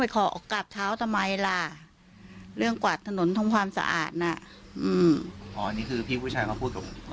ขอกราบเท้าทำไมล่ะเรื่องกวาดถนนทำความสะอาดน่ะอืมอ๋ออันนี้คือพี่ผู้ชายมาพูดกับผม